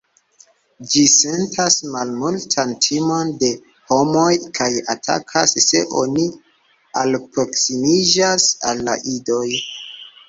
Ĝi sentas malmultan timon de homoj, kaj atakas se oni alproksimiĝas al la idoj.